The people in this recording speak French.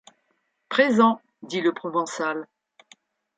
Présent, dit le provençal.